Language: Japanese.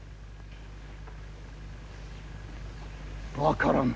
分からん。